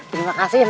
terima kasih nek